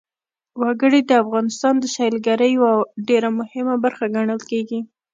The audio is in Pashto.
وګړي د افغانستان د سیلګرۍ یوه ډېره مهمه برخه ګڼل کېږي.